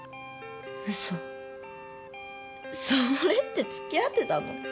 それって付き合ってたの？